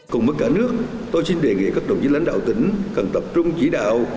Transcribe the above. cùng với cả nước tôi xin đề nghị các đồng chí lãnh đạo tỉnh cần tập trung chỉ đạo